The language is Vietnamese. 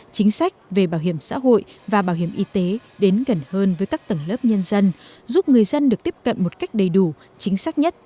chính sách về bảo hiểm xã hội và bảo hiểm y tế đến gần hơn với các tầng lớp nhân dân giúp người dân được tiếp cận một cách đầy đủ chính xác nhất